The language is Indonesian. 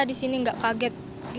disini gak kaget